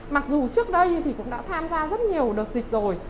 mặc dù trước đây thì cũng đã tham gia rất nhiều đợt dịch rồi